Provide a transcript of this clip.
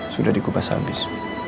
sudah dikubas habis